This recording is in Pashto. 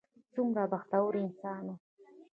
څومره بختور انسان و.